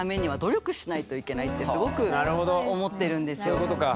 そういうことか。